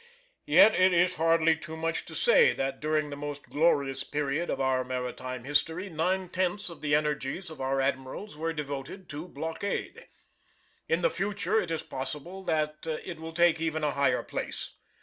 Yet it is hardly too much to say that during the most glorious period of our maritime history nine tenths of the energies of our admirals were devoted to blockade. In the future it is possible that it will take even a higher place.